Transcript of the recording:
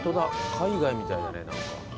海外みたいだねなんか。